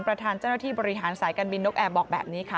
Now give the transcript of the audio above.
ประธานเจ้าหน้าที่บริหารสายการบินนกแอร์บอกแบบนี้ค่ะ